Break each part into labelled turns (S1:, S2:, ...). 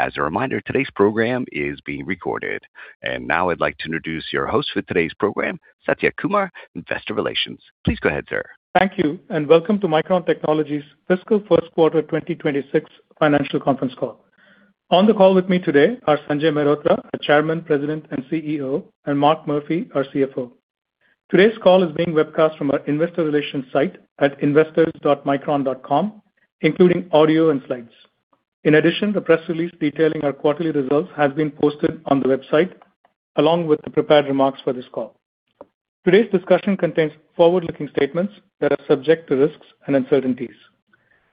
S1: As a reminder, today's program is being recorded. And now I'd like to introduce your host for today's program, Satya Kumar, Investor Relations. Please go ahead, sir.
S2: Thank you, and welcome to Micron Technology's Fiscal First Quarter 2026 Financial Conference Call. On the call with me today are Sanjay Mehrotra, our Chairman, President, and CEO, and Mark Murphy, our CFO. Today's call is being webcast from our Investor Relations site at investors.micron.com, including audio and slides. In addition, a press release detailing our quarterly results has been posted on the website, along with the prepared remarks for this call. Today's discussion contains forward-looking statements that are subject to risks and uncertainties.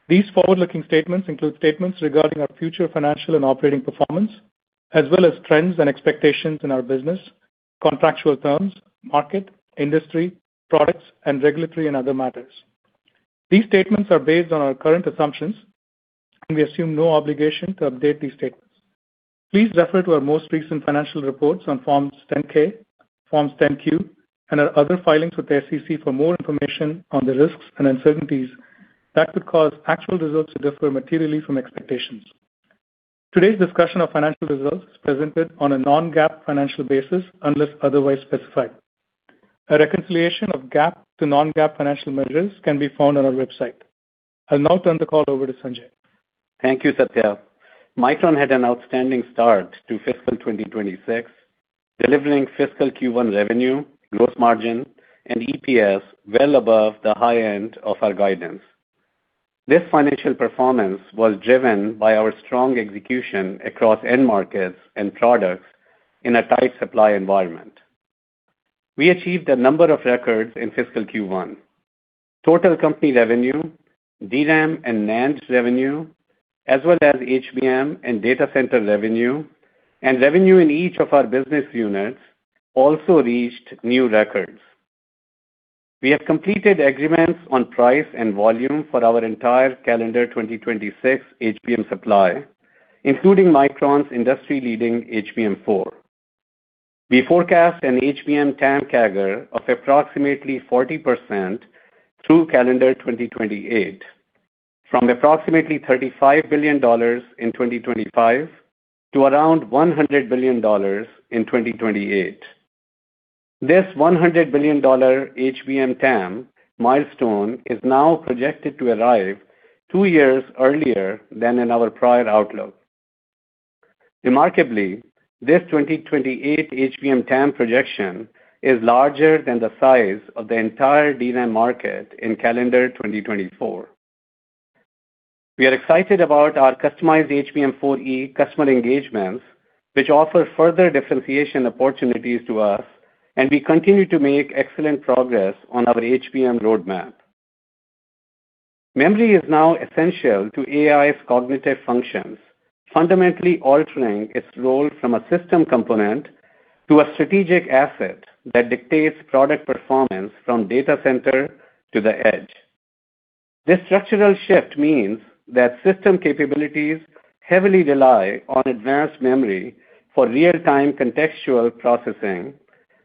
S2: These forward-looking statements include statements regarding our future financial and operating performance, as well as trends and expectations in our business, contractual terms, market, industry, products, and regulatory and other matters. These statements are based on our current assumptions, and we assume no obligation to update these statements. Please refer to our most recent financial reports on Forms 10-K, Forms 10-Q, and our other filings with the SEC for more information on the risks and uncertainties that could cause actual results to differ materially from expectations. Today's discussion of financial results is presented on a non-GAAP financial basis unless otherwise specified. A reconciliation of GAAP to non-GAAP financial measures can be found on our website. I'll now turn the call over to Sanjay.
S3: Thank you, Satya. Micron had an outstanding start to fiscal 2026, delivering fiscal Q1 revenue, gross margin, and EPS well above the high end of our guidance. This financial performance was driven by our strong execution across end markets and products in a tight supply environment. We achieved a number of records in fiscal Q1. Total company revenue, DRAM and NAND revenue, as well as HBM and data center revenue, and revenue in each of our business units also reached new records. We have completed agreements on price and volume for our entire calendar 2026 HBM supply, including Micron's industry-leading HBM4. We forecast an HBM TAM CAGR of approximately 40% through calendar 2028, from approximately $35 billion in 2025 to around $100 billion in 2028. This $100 billion HBM TAM milestone is now projected to arrive two years earlier than in our prior outlook. Remarkably, this 2028 HBM TAM projection is larger than the size of the entire DRAM market in calendar 2024. We are excited about our customized HBM4E customer engagements, which offer further differentiation opportunities to us, and we continue to make excellent progress on our HBM roadmap. Memory is now essential to AI's cognitive functions, fundamentally altering its role from a system component to a strategic asset that dictates product performance from data center to the edge. This structural shift means that system capabilities heavily rely on advanced memory for real-time contextual processing,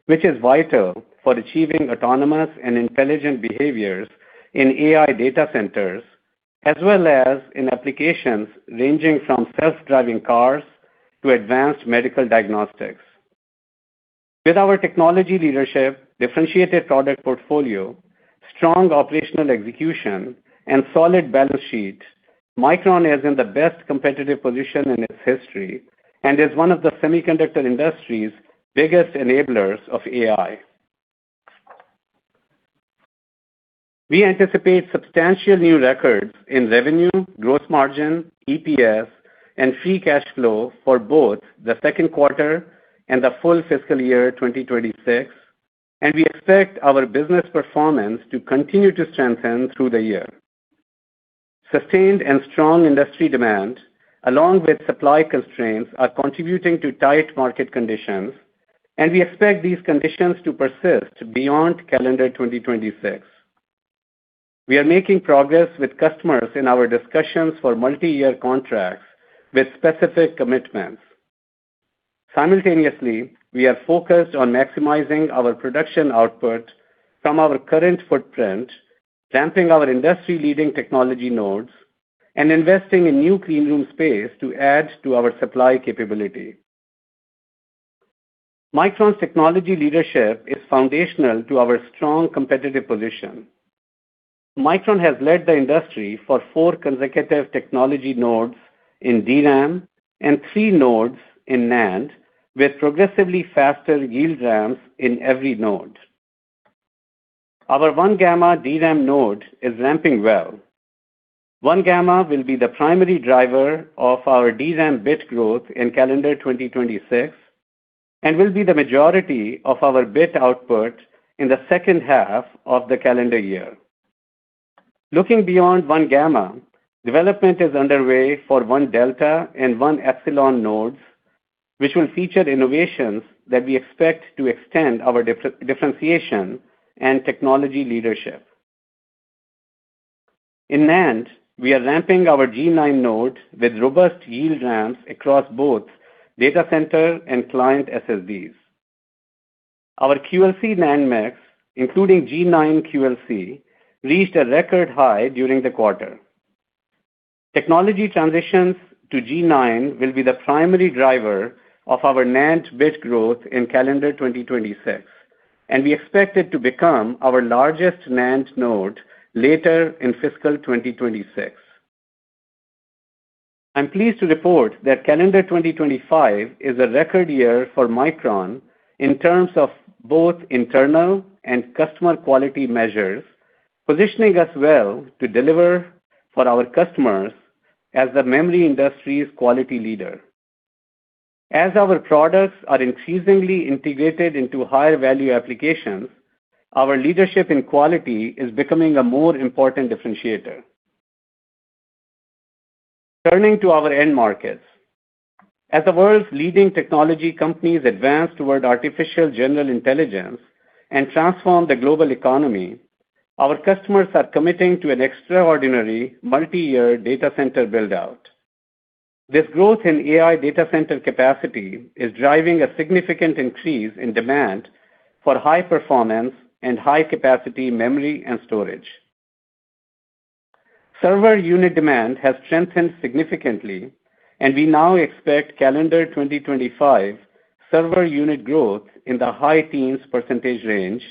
S3: which is vital for achieving autonomous and intelligent behaviors in AI data centers, as well as in applications ranging from self-driving cars to advanced medical diagnostics. With our technology leadership, differentiated product portfolio, strong operational execution, and solid balance sheet, Micron is in the best competitive position in its history and is one of the semiconductor industry's biggest enablers of AI. We anticipate substantial new records in revenue, gross margin, EPS, and free cash flow for both the second quarter and the full fiscal year 2026, and we expect our business performance to continue to strengthen through the year. Sustained and strong industry demand, along with supply constraints, are contributing to tight market conditions, and we expect these conditions to persist beyond calendar 2026. We are making progress with customers in our discussions for multi-year contracts with specific commitments. Simultaneously, we are focused on maximizing our production output from our current footprint, ramping our industry-leading technology nodes, and investing in new cleanroom space to add to our supply capability. Micron's technology leadership is foundational to our strong competitive position. Micron has led the industry for four consecutive technology nodes in DRAM and three nodes in NAND, with progressively faster yield ramps in every node. Our 1-gamma DRAM node is ramping well. 1-gamma will be the primary driver of our DRAM bit growth in calendar 2026 and will be the majority of our bit output in the second half of the calendar year. Looking beyond 1-gamma, development is underway for 1-delta and 1-epsilon nodes, which will feature innovations that we expect to extend our differentiation and technology leadership. In NAND, we are ramping our G9 node with robust yield ramps across both data center and client SSDs. Our QLC NAND mix, including G9 QLC, reached a record high during the quarter. Technology transitions to G9 will be the primary driver of our NAND bit growth in calendar 2026, and we expect it to become our largest NAND node later in fiscal 2026. I'm pleased to report that calendar 2025 is a record year for Micron in terms of both internal and customer quality measures, positioning us well to deliver for our customers as the memory industry's quality leader. As our products are increasingly integrated into higher value applications, our leadership in quality is becoming a more important differentiator. Turning to our end markets, as the world's leading technology companies advance toward artificial general intelligence and transform the global economy, our customers are committing to an extraordinary multi-year data center build-out. This growth in AI data center capacity is driving a significant increase in demand for high-performance and high-capacity memory and storage. Server unit demand has strengthened significantly, and we now expect calendar 2025 server unit growth in the high teens % range,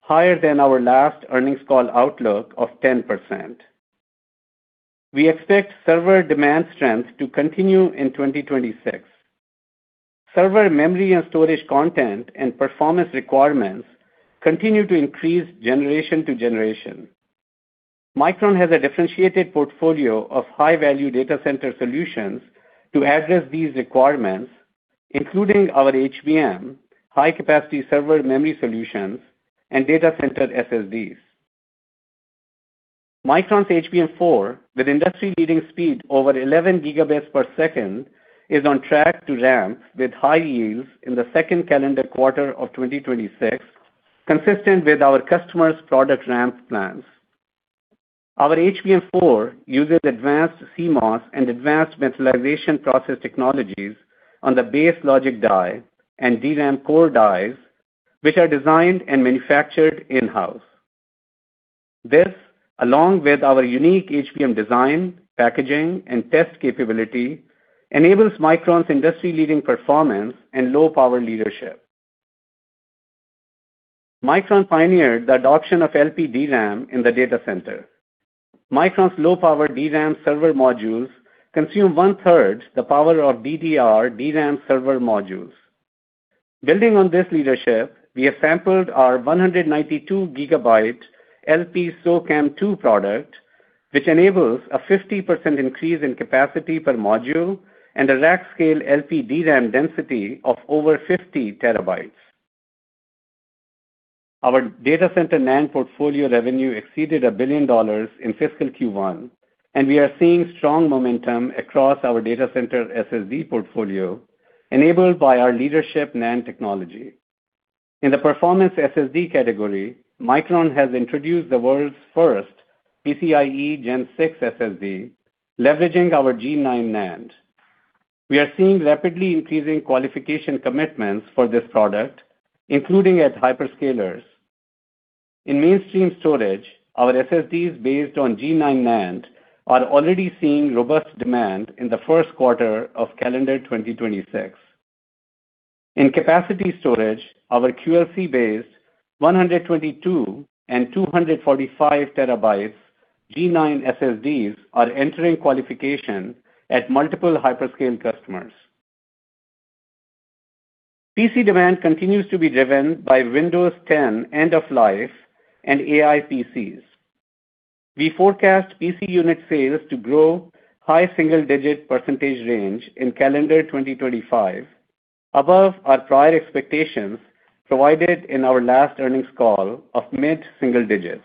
S3: higher than our last earnings call outlook of 10%. We expect server demand strength to continue in 2026. Server memory and storage content and performance requirements continue to increase generation to generation. Micron has a differentiated portfolio of high-value data center solutions to address these requirements, including our HBM, high-capacity server memory solutions, and data center SSDs. Micron's HBM4, with industry-leading speed over 11 gigabits per second, is on track to ramp with high yields in the second calendar quarter of 2026, consistent with our customers' product ramp plans. Our HBM4 uses advanced CMOS and advanced metalization process technologies on the base logic die and DRAM core dies, which are designed and manufactured in-house. This, along with our unique HBM design, packaging, and test capability, enables Micron's industry-leading performance and low-power leadership. Micron pioneered the adoption of LPDRAM in the data center. Micron's low-power DRAM server modules consume one-third the power of DDR DRAM server modules. Building on this leadership, we have sampled our 192-gigabyte LPCAMM2 product, which enables a 50% increase in capacity per module and a rack-scale LPDRAM density of over 50 terabytes. Our data center NAND portfolio revenue exceeded $1 billion in fiscal Q1, and we are seeing strong momentum across our data center SSD portfolio, enabled by our leadership NAND technology. In the performance SSD category, Micron has introduced the world's first PCIe Gen 6 SSD, leveraging our G9 NAND. We are seeing rapidly increasing qualification commitments for this product, including at hyperscalers. In mainstream storage, our SSDs based on G9 NAND are already seeing robust demand in the first quarter of calendar 2026. In capacity storage, our QLC-based 122- and 245-terabyte G9 SSDs are entering qualification at multiple hyperscale customers. PC demand continues to be driven by Windows 10 end-of-life and AI PCs. We forecast PC unit sales to grow high single-digit % range in calendar 2025, above our prior expectations provided in our last earnings call of mid-single digits.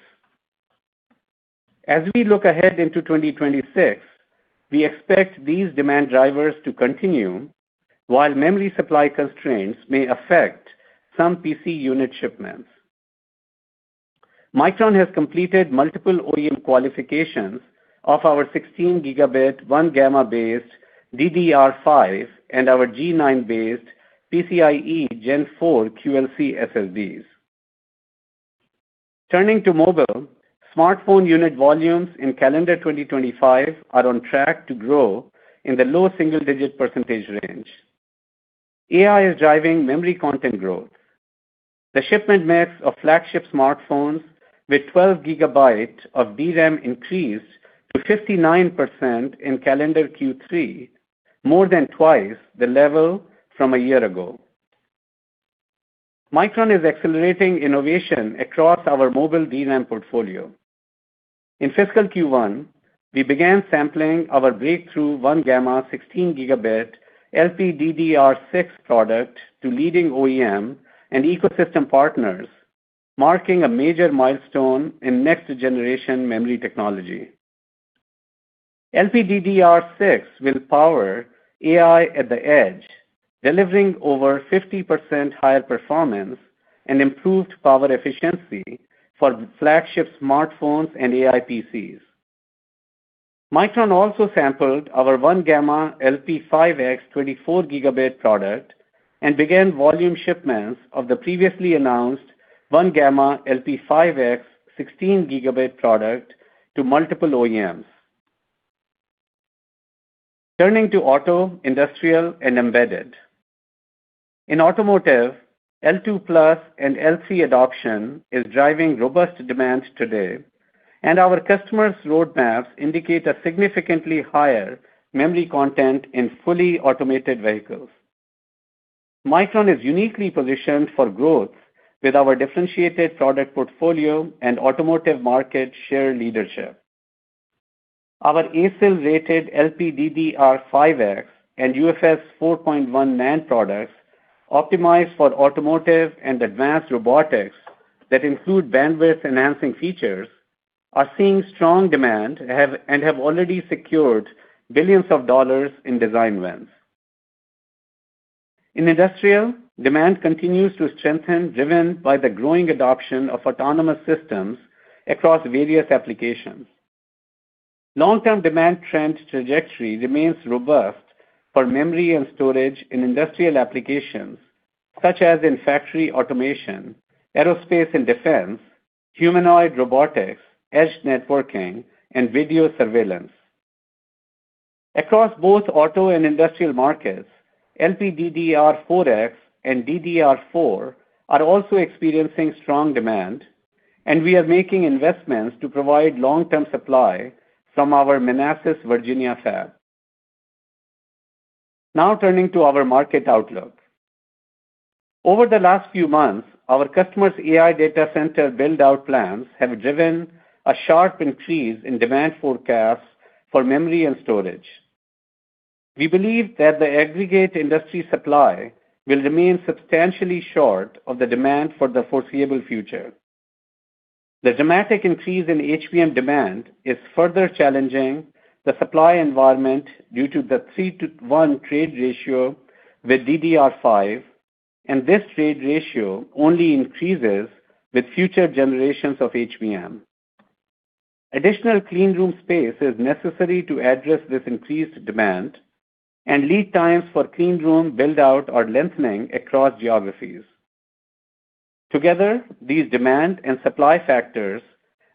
S3: As we look ahead into 2026, we expect these demand drivers to continue, while memory supply constraints may affect some PC unit shipments. Micron has completed multiple OEM qualifications of our 16-gigabit 1-gamma-based DDR5 and our G9-based PCIe Gen 4 QLC SSDs. Turning to mobile, smartphones unit volumes in calendar 2025 are on track to grow in the low single-digit % range. AI is driving memory content growth. The shipment mix of flagship smartphones with 12 gigabytes of DRAM increased to 59% in calendar Q3, more than twice the level from a year ago. Micron is accelerating innovation across our mobile DRAM portfolio. In fiscal Q1, we began sampling our breakthrough 1-gamma 16-gigabit LPDDR6 product to leading OEM and ecosystem partners, marking a major milestone in next-generation memory technology. LPDDR6 will power AI at the edge, delivering over 50% higher performance and improved power efficiency for flagship smartphones and AI PCs. Micron also sampled our 1-gamma LP5X 24-gigabit product and began volume shipments of the previously announced 1-gamma LP5X 16-gigabit product to multiple OEMs. Turning to auto, industrial, and embedded. In automotive, L2+ and L3 adoption is driving robust demand today, and our customers' roadmaps indicate a significantly higher memory content in fully automated vehicles. Micron is uniquely positioned for growth with our differentiated product portfolio and automotive market share leadership. Our ASIL-rated LPDDR5X and UFS 4.1 NAND products, optimized for automotive and advanced robotics that include bandwidth-enhancing features, are seeing strong demand and have already secured billions of dollars in design wins. In industrial, demand continues to strengthen, driven by the growing adoption of autonomous systems across various applications. Long-term demand trend trajectory remains robust for memory and storage in industrial applications, such as in factory automation, aerospace and defense, humanoid robotics, edge networking, and video surveillance. Across both auto and industrial markets, LPDDR4X and DDR4 are also experiencing strong demand, and we are making investments to provide long-term supply from our Manassas, Virginia fab. Now turning to our market outlook. Over the last few months, our customers' AI data center build-out plans have driven a sharp increase in demand forecasts for memory and storage. We believe that the aggregate industry supply will remain substantially short of the demand for the foreseeable future. The dramatic increase in HBM demand is further challenging the supply environment due to the 3:1 trade ratio with DDR5, and this trade ratio only increases with future generations of HBM. Additional cleanroom space is necessary to address this increased demand and lead times for cleanroom build-out are lengthening across geographies. Together, these demand and supply factors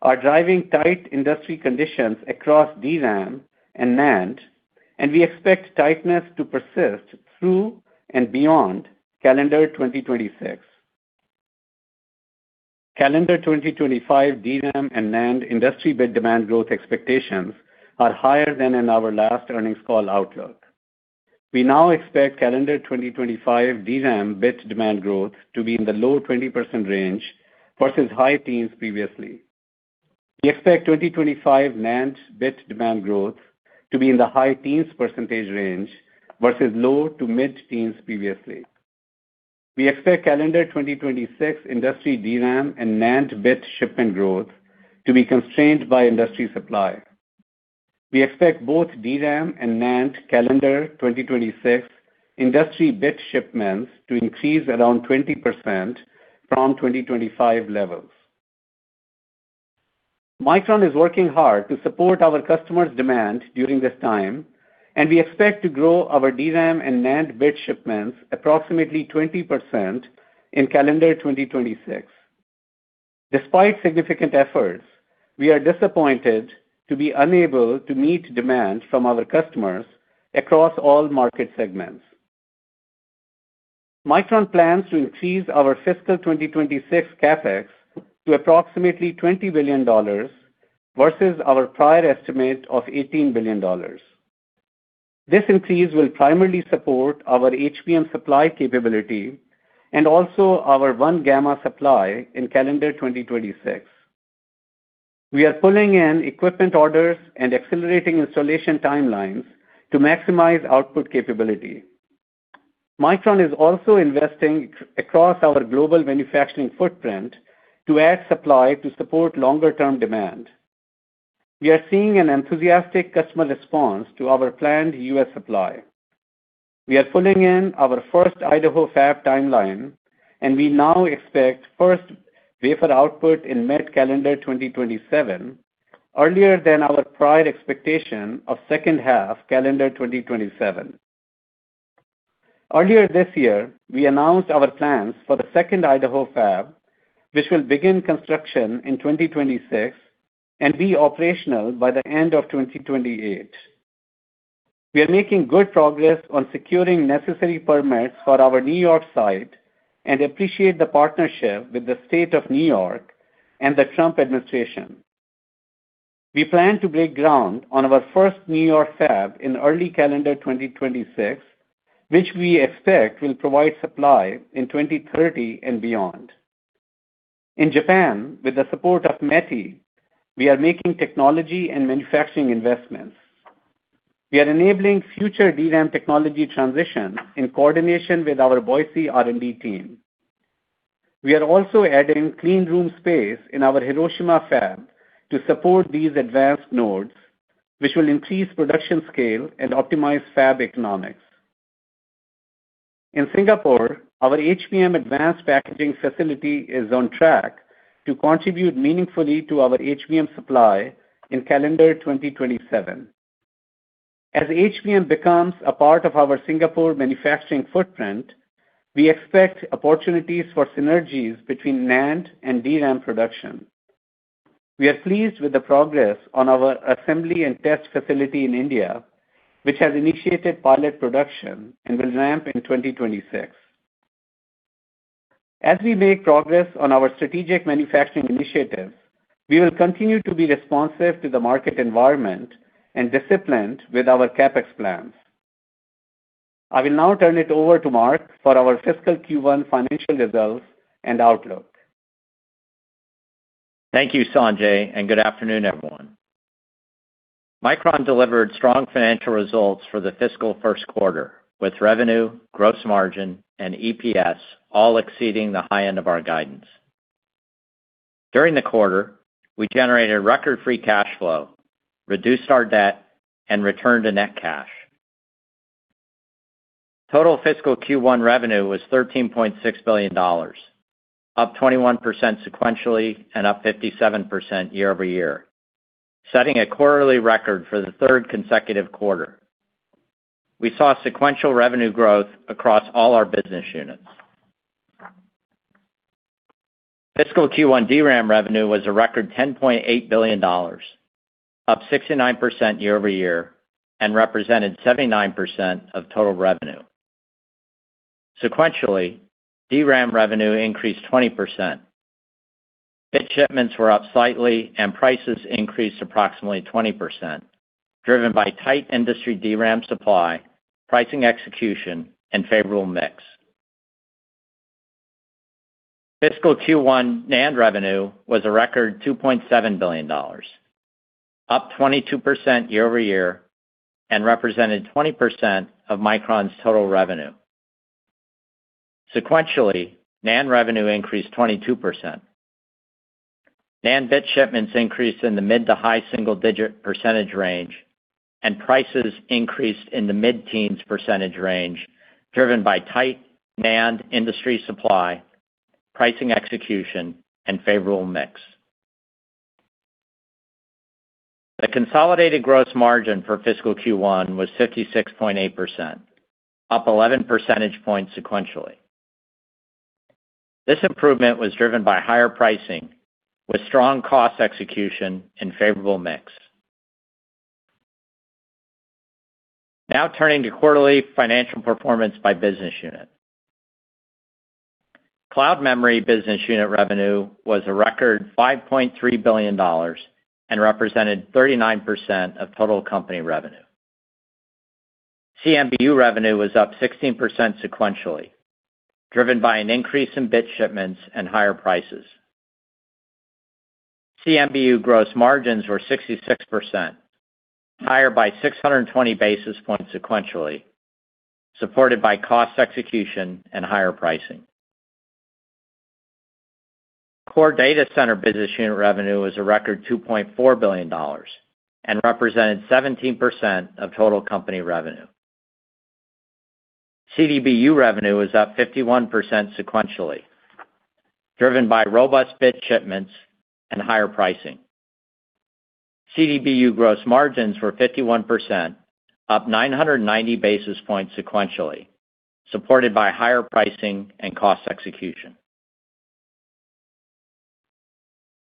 S3: are driving tight industry conditions across DRAM and NAND, and we expect tightness to persist through and beyond calendar 2026. Calendar 2025 DRAM and NAND industry bit demand growth expectations are higher than in our last earnings call outlook. We now expect calendar 2025 DRAM bit demand growth to be in the low 20% range versus high teens previously. We expect 2025 NAND bit demand growth to be in the high teens percentage range versus low to mid teens previously. We expect calendar 2026 industry DRAM and NAND bit shipment growth to be constrained by industry supply. We expect both DRAM and NAND calendar 2026 industry bit shipments to increase around 20% from 2025 levels. Micron is working hard to support our customers' demand during this time, and we expect to grow our DRAM and NAND bit shipments approximately 20% in calendar 2026. Despite significant efforts, we are disappointed to be unable to meet demand from our customers across all market segments. Micron plans to increase our fiscal 2026 CapEx to approximately $20 billion versus our prior estimate of $18 billion. This increase will primarily support our HBM supply capability and also our 1-gamma supply in calendar 2026. We are pulling in equipment orders and accelerating installation timelines to maximize output capability. Micron is also investing across our global manufacturing footprint to add supply to support longer-term demand. We are seeing an enthusiastic customer response to our planned U.S. supply. We are pulling in our first Idaho fab timeline, and we now expect first wafer output in mid-calendar 2027, earlier than our prior expectation of second half calendar 2027. Earlier this year, we announced our plans for the second Idaho fab, which will begin construction in 2026 and be operational by the end of 2028. We are making good progress on securing necessary permits for our New York site and appreciate the partnership with the state of New York and the Trump administration. We plan to break ground on our first New York fab in early calendar 2026, which we expect will provide supply in 2030 and beyond. In Japan, with the support of METI, we are making technology and manufacturing investments. We are enabling future DRAM technology transition in coordination with our Boise R&D team. We are also adding cleanroom space in our Hiroshima fab to support these advanced nodes, which will increase production scale and optimize fab economics. In Singapore, our HBM advanced packaging facility is on track to contribute meaningfully to our HBM supply in calendar 2027. As HBM becomes a part of our Singapore manufacturing footprint, we expect opportunities for synergies between NAND and DRAM production. We are pleased with the progress on our assembly and test facility in India, which has initiated pilot production and will ramp in 2026. As we make progress on our strategic manufacturing initiatives, we will continue to be responsive to the market environment and disciplined with our CapEx plans. I will now turn it over to Mark for our fiscal Q1 financial results and outlook.
S4: Thank you, Sanjay, and good afternoon, everyone. Micron delivered strong financial results for the fiscal first quarter, with revenue, gross margin, and EPS all exceeding the high end of our guidance. During the quarter, we generated record free cash flow, reduced our debt, and returned to net cash. Total fiscal Q1 revenue was $13.6 billion, up 21% sequentially and up 57% year over year, setting a quarterly record for the third consecutive quarter. We saw sequential revenue growth across all our business units. Fiscal Q1 DRAM revenue was a record $10.8 billion, up 69% year over year, and represented 79% of total revenue. Sequentially, DRAM revenue increased 20%. Bit shipments were up slightly, and prices increased approximately 20%, driven by tight industry DRAM supply, pricing execution, and favorable mix. Fiscal Q1 NAND revenue was a record $2.7 billion, up 22% year over year, and represented 20% of Micron's total revenue. Sequentially, NAND revenue increased 22%. NAND bit shipments increased in the mid- to high single-digit % range, and prices increased in the mid-teens % range, driven by tight NAND industry supply, pricing execution, and favorable mix. The consolidated gross margin for fiscal Q1 was 56.8%, up 11 percentage points sequentially. This improvement was driven by higher pricing, with strong cost execution and favorable mix. Now turning to quarterly financial performance by business unit. Cloud Memory Business Unit revenue was a record $5.3 billion and represented 39% of total company revenue. CMBU revenue was up 16% sequentially, driven by an increase in bit shipments and higher prices. CMBU gross margins were 66%, higher by 620 basis points sequentially, supported by cost execution and higher pricing. Core Data Center Business Unit revenue was a record $2.4 billion and represented 17% of total company revenue. CDBU revenue was up 51% sequentially, driven by robust bit shipments and higher pricing. CDBU gross margins were 51%, up 990 basis points sequentially, supported by higher pricing and cost execution.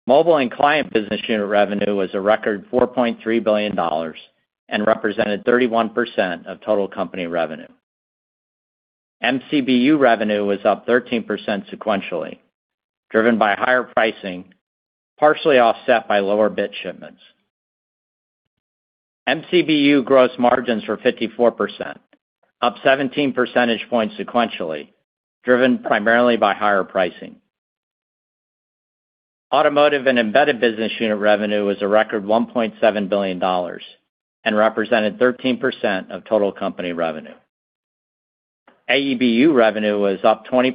S4: Mobile and Client Business Unit revenue was a record $4.3 billion and represented 31% of total company revenue. MCBU revenue was up 13% sequentially, driven by higher pricing, partially offset by lower bit shipments. MCBU gross margins were 54%, up 17 percentage points sequentially, driven primarily by higher pricing. Automotive and Embedded Business Unit revenue was a record $1.7 billion and represented 13% of total company revenue. AEBU revenue was up 20%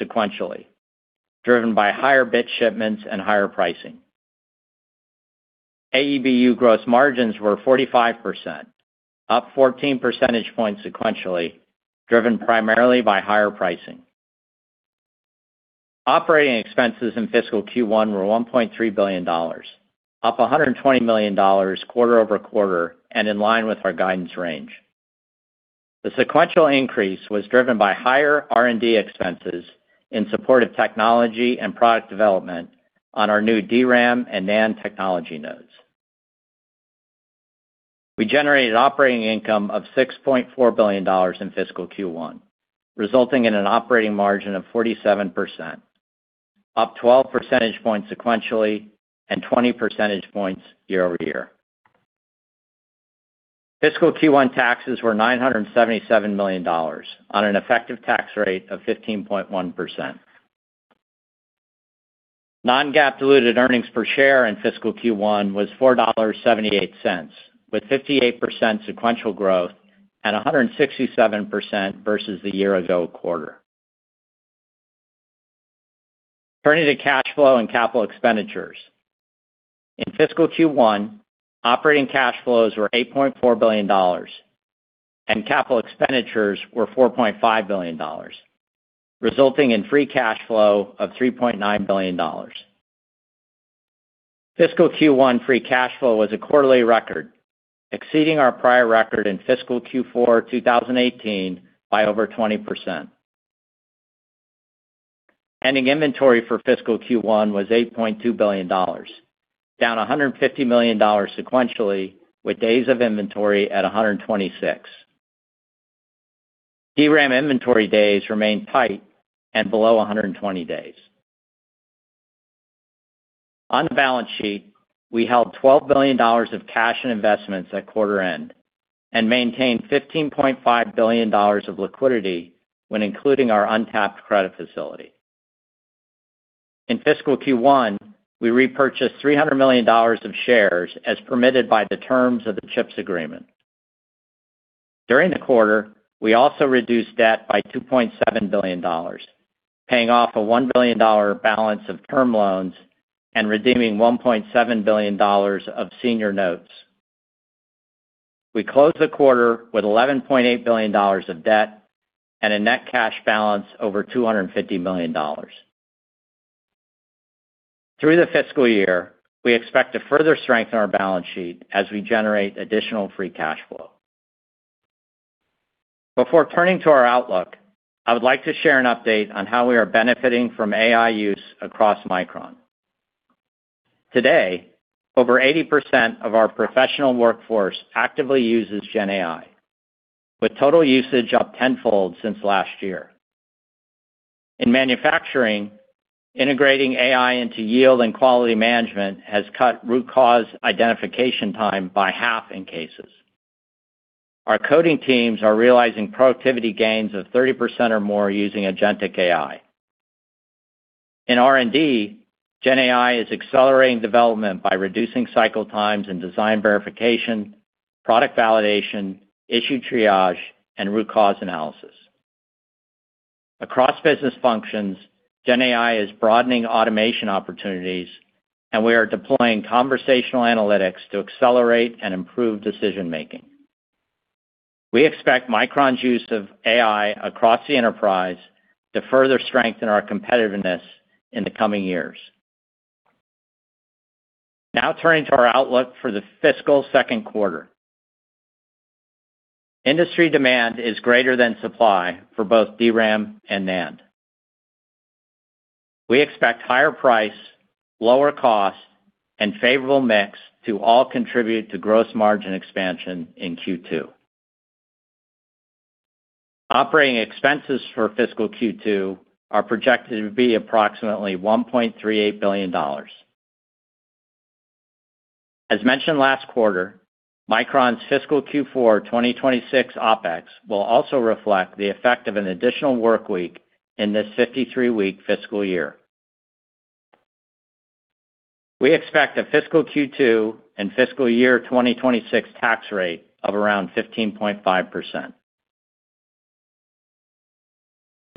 S4: sequentially, driven by higher bit shipments and higher pricing. AEBU gross margins were 45%, up 14 percentage points sequentially, driven primarily by higher pricing. Operating expenses in fiscal Q1 were $1.3 billion, up $120 million quarter over quarter and in line with our guidance range. The sequential increase was driven by higher R&D expenses in support of technology and product development on our new DRAM and NAND technology nodes. We generated operating income of $6.4 billion in fiscal Q1, resulting in an operating margin of 47%, up 12 percentage points sequentially and 20 percentage points year over year. Fiscal Q1 taxes were $977 million on an effective tax rate of 15.1%. Non-GAAP diluted earnings per share in fiscal Q1 was $4.78, with 58% sequential growth and 167% versus the year-ago quarter. Turning to cash flow and capital expenditures. In fiscal Q1, operating cash flows were $8.4 billion, and capital expenditures were $4.5 billion, resulting in free cash flow of $3.9 billion. Fiscal Q1 free cash flow was a quarterly record, exceeding our prior record in fiscal Q4 2018 by over 20%. Ending inventory for fiscal Q1 was $8.2 billion, down $150 million sequentially, with days of inventory at 126 days. DRAM inventory days remained tight and below 120 days. On the balance sheet, we held $12 billion of cash and investments at quarter end and maintained $15.5 billion of liquidity when including our untapped credit facility. In fiscal Q1, we repurchased $300 million of shares as permitted by the terms of the CHIPS agreement. During the quarter, we also reduced debt by $2.7 billion, paying off a $1 billion balance of term loans and redeeming $1.7 billion of senior notes. We closed the quarter with $11.8 billion of debt and a net cash balance over $250 million. Through the fiscal year, we expect to further strengthen our balance sheet as we generate additional free cash flow. Before turning to our outlook, I would like to share an update on how we are benefiting from AI use across Micron. Today, over 80% of our professional workforce actively uses GenAI, with total usage up tenfold since last year. In manufacturing, integrating AI into yield and quality management has cut root cause identification time by half in cases. Our coding teams are realizing productivity gains of 30% or more using agentic AI. In R&D, GenAI is accelerating development by reducing cycle times in design verification, product validation, issue triage, and root cause analysis. Across business functions, GenAI is broadening automation opportunities, and we are deploying conversational analytics to accelerate and improve decision-making. We expect Micron's use of AI across the enterprise to further strengthen our competitiveness in the coming years. Now turning to our outlook for the fiscal second quarter. Industry demand is greater than supply for both DRAM and NAND. We expect higher price, lower cost, and favorable mix to all contribute to gross margin expansion in Q2. Operating expenses for fiscal Q2 are projected to be approximately $1.38 billion. As mentioned last quarter, Micron's fiscal Q4 2026 OpEx will also reflect the effect of an additional work week in this 53-week fiscal year. We expect a fiscal Q2 and fiscal year 2026 tax rate of around 15.5%.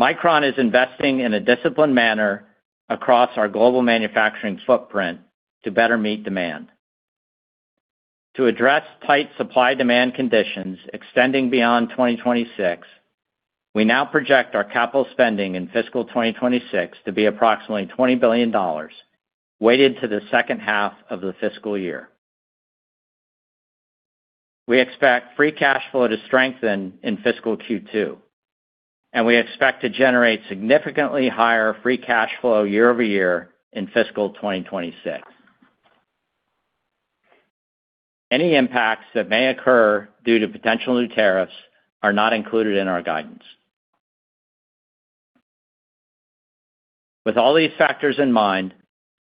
S4: Micron is investing in a disciplined manner across our global manufacturing footprint to better meet demand. To address tight supply-demand conditions extending beyond 2026, we now project our capital spending in fiscal 2026 to be approximately $20 billion, weighted to the second half of the fiscal year. We expect free cash flow to strengthen in fiscal Q2, and we expect to generate significantly higher free cash flow year over year in fiscal 2026. Any impacts that may occur due to potential new tariffs are not included in our guidance. With all these factors in mind,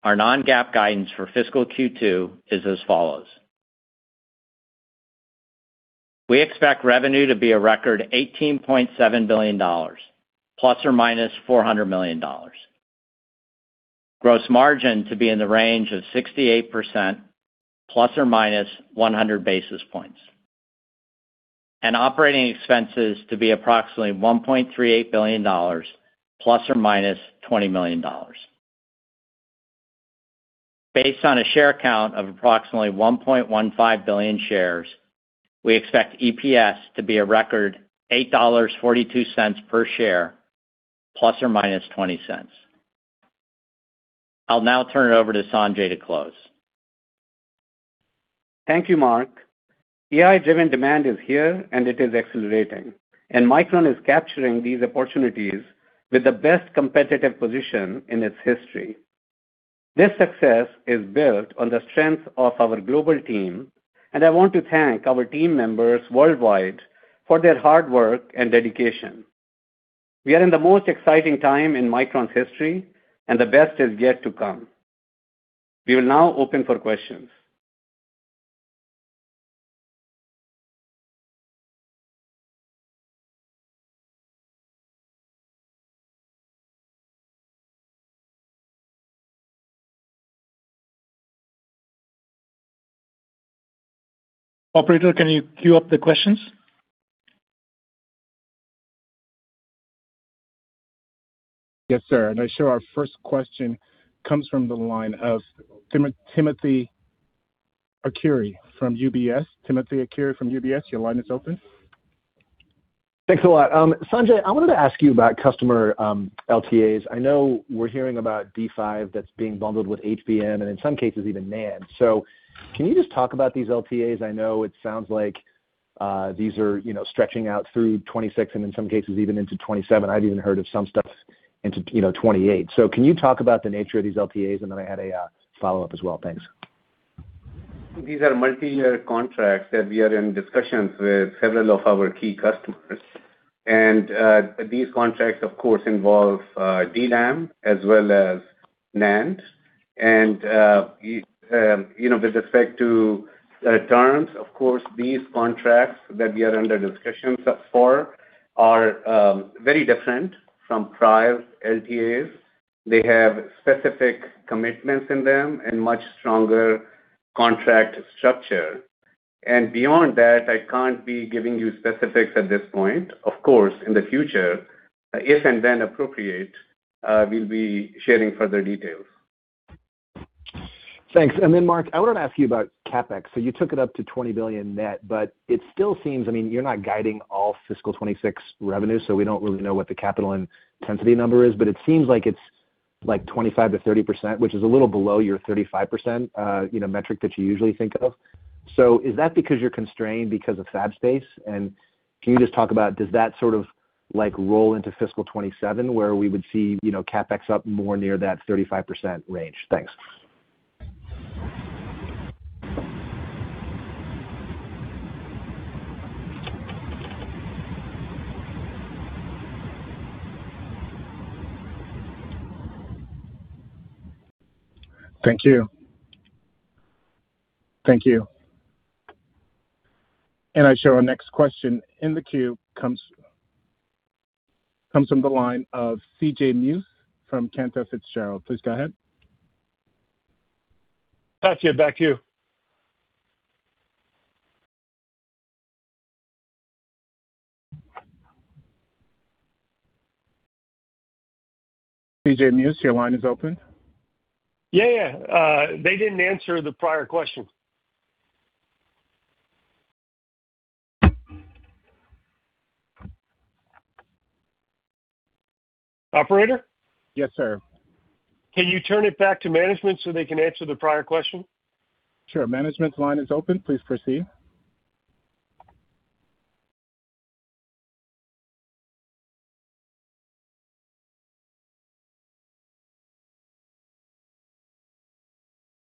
S4: our non-GAAP guidance for fiscal Q2 is as follows. We expect revenue to be a record $18.7 billion, plus or minus $400 million. Gross margin to be in the range of 68%, plus or minus 100 basis points. Operating expenses to be approximately $1.38 billion, plus or minus $20 million. Based on a share count of approximately 1.15 billion shares, we expect EPS to be a record $8.42 per share, plus or minus $0.20. I'll now turn it over to Sanjay to close.
S3: Thank you, Mark. AI-driven demand is here, and it is accelerating. Micron is capturing these opportunities with the best competitive position in its history. This success is built on the strength of our global team, and I want to thank our team members worldwide for their hard work and dedication. We are in the most exciting time in Micron's history, and the best is yet to come. We will now open for questions. Operator, can you queue up the questions?
S1: Yes, sir. I show our first question comes from the line of Timothy Arcuri from UBS. Timothy Arcuri from UBS, your line is open.
S5: Thanks a lot. Sanjay, I wanted to ask you about customer LTAs. I know we're hearing about D5 that's being bundled with HBM, and in some cases even NAND. So can you just talk about these LTAs? I know it sounds like these are stretching out through 2026 and in some cases even into 2027. I've even heard of some stuff into 2028. So can you talk about the nature of these LTAs? And then I had a follow-up as well. Thanks.
S3: These are multi-year contracts that we are in discussions with several of our key customers. And these contracts, of course, involve DRAM as well as NAND. And with respect to terms, of course, these contracts that we are under discussions for are very different from prior LTAs. They have specific commitments in them and much stronger contract structure. And beyond that, I can't be giving you specifics at this point. Of course, in the future, if and when appropriate, we'll be sharing further details.
S5: Thanks. And then, Mark, I wanted to ask you about CapEx. So you took it up to $20 billion net, but it still seems, I mean, you're not guiding all fiscal 2026 revenue, so we don't really know what the capital intensity number is, but it seems like it's like 25%-30%, which is a little below your 35% metric that you usually think of. So is that because you're constrained because of FabSpace? And can you just talk about, does that sort of roll into fiscal 2027 where we would see CapEx up more near that 35% range? Thanks.
S4: Thank you.
S5: Thank you.
S1: And I show our next question in the queue comes from the line of CJ Muse from Cantor Fitzgerald. Please go ahead.
S6: Back to you. Back to you.
S1: CJ Muse, your line is open.
S6: Yeah, yeah. They didn't answer the priorquestion.
S3: Operator?
S1: Yes, sir.
S3: Can you turn it back to management so they can answer the prior question?
S1: Sure. Management's line is open. Please proceed.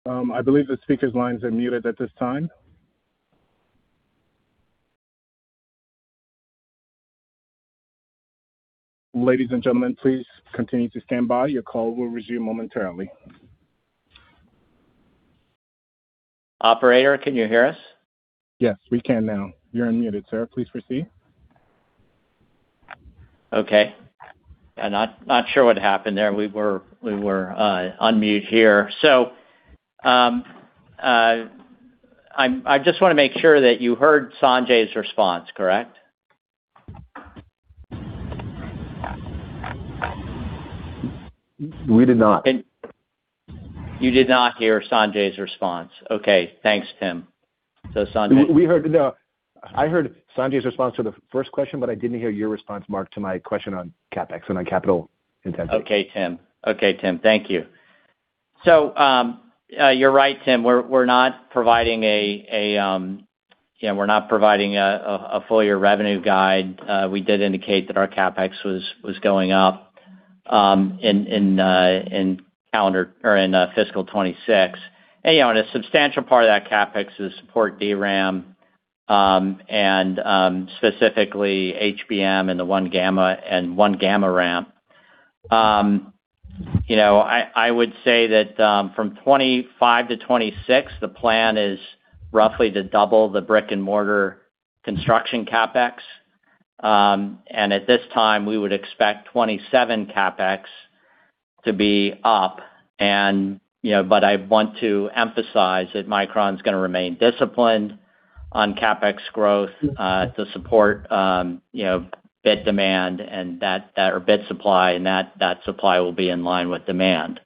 S1: I believe the speaker's lines are muted at this time. Ladies and gentlemen, please continue to stand by. Your call will resume momentarily.
S4: Operator, can you hear us?
S1: Yes, we can now. You're unmuted, sir. Please proceed.
S4: Okay. I'm not sure what happened there. We were unmuted here. So I just want to make sure that you heard Sanjay's response, correct?
S5: We did not.
S4: You did not hear Sanjay's response. Okay. Thanks, Tim. So Sanjay—
S5: We heard—no, I heard Sanjay's response to the first question, but I didn't hear your response, Mark, to my question on CapEx and on capital intensity.
S4: Okay, Tim. Okay, Tim. Thank you. So you're right, Tim. We're not providing a full-year revenue guide. We did indicate that our CapEx was going up in calendar or in fiscal 2026. And a substantial part of that CapEx is to support DRAM and specifically HBM and the 1-gamma and 1-gamma ramp. I would say that from 2025 to 2026, the plan is roughly to double the brick-and-mortar construction CapEx. And at this time, we would expect 2027 CapEx to be up. But I want to emphasize that Micron is going to remain disciplined on CapEx growth to support bit demand and bit supply, and that supply will be in line with demand.